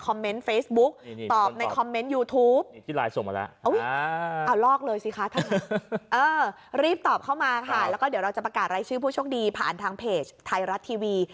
เข้ามาค่ะแล้วก็เดี๋ยวเราจะประกาศรายชื่อผู้โชคดีผ่านทางเพจไทยรัฐทีวี